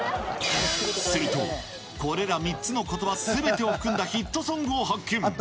すると、これら３つのことばすべてを含んだヒットソングを発見。